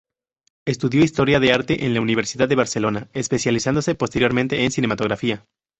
Estudió historia del arte en la Universidad de Barcelona, especializándose posteriormente en cinematografía.